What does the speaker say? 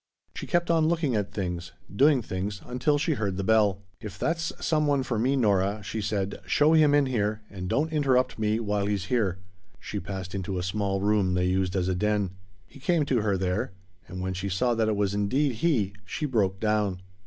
She kept on looking at things doing things until she heard the bell. "If that's some one for me, Nora," she said, "show him in here, and don't interrupt me while he's here." She passed into a small room they used as a den. He came to her there. And when she saw that it was indeed he she broke down.